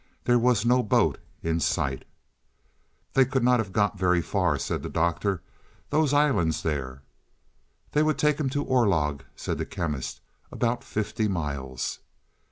There was no boat in sight. "They cannot have got very far," said the Doctor. "Those islands there " "They would take him to Orlog," said the Chemist. "About fifty miles."